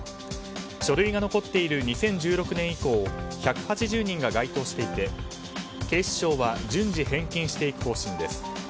書類が残っている２０１６年以降１８０人が該当していて警視庁は順次返金していく方針です。